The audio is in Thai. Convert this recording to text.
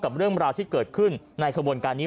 เรื่องราวที่เกิดขึ้นในขบวนการนี้